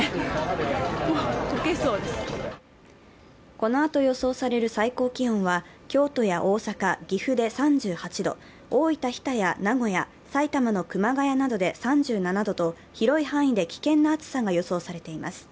このあと予想される最高気温は京都や大阪、岐阜で３８度、大分・日田や名古屋、埼玉の熊谷などで３７度と広い範囲で危険な暑さが予想されています。